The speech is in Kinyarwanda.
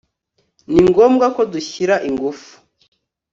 Ni ngombwa ko dushyira ingufu